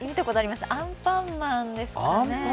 アンパンマンですよね。